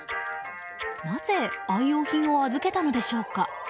なぜ愛用品を預けたのでしょうか。